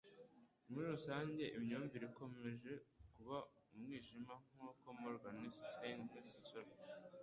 Muri rusange imyumvire ikomeje kuba umwijima, nk'uko Morgan Stanley str